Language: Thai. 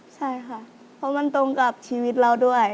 ใช่ค่ะเพราะมันตรงกับชีวิตเราด้วย